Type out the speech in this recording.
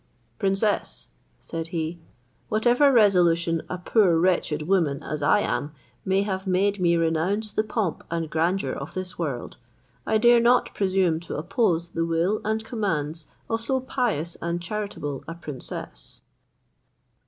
"Princess," said he, "whatever resolution a poor wretched woman as I am may have made me renounce the pomp and grandeur of this world, I dare not presume to oppose the will and commands of so pious and charitable a princess."